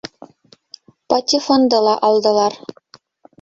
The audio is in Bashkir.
Патефонды ла алдылар.